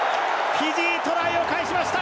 フィジー、トライを返しました！